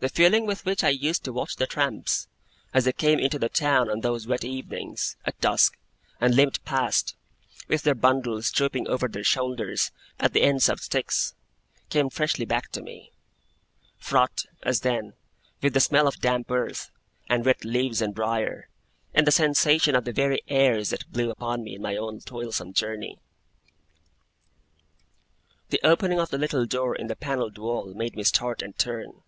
The feeling with which I used to watch the tramps, as they came into the town on those wet evenings, at dusk, and limped past, with their bundles drooping over their shoulders at the ends of sticks, came freshly back to me; fraught, as then, with the smell of damp earth, and wet leaves and briar, and the sensation of the very airs that blew upon me in my own toilsome journey. The opening of the little door in the panelled wall made me start and turn.